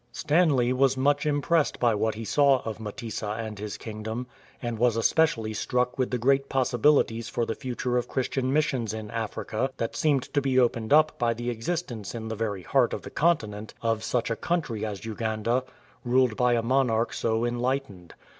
Stanley was much impressed by what he saw of Mtesa and his kingdom, and was especially struck with the great possi bilities for the future of Christian missions in Africa that seemed to be opened up by the existence in the very heart of the continent of such a country as Uganda, ruled by a monarch so enlightened.